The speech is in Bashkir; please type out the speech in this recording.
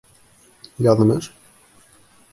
Яҙмыш?